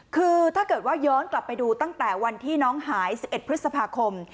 คือถ้าเกิดว่าย้อนกลับไปดูตั้งแต่วันที่น้องหาย๑๑พฤษภาคม